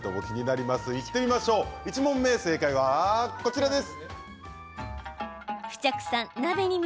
１問目、正解はこちらです。